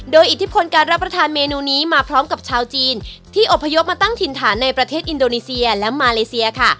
โดยอิทธิพลการรับประทานเมนูนี้มาพร้อมกับชาวจีนที่อบพยพมาตั้งถิ่นฐานในประเทศอินโดนีเซียและมาเลเซียค่ะ